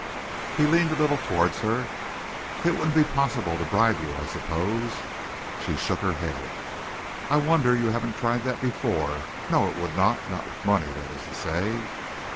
He leaned a little towards her. "It wouldn't be possible to bribe you, I suppose?" She shook her head. "I wonder you haven't tried that before. No, it would not not with money, that is to say."